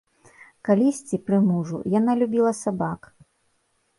Калісьці, пры мужу, яна любіла сабак.